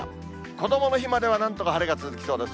こどもの日まではなんとか晴れが続きそうです。